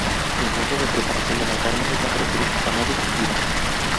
El modo de preparación de la carne es la característica más distintiva.